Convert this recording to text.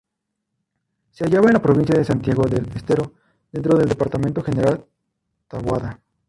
Se hallaba en la provincia de Santiago del Estero, dentro del Departamento General Taboada.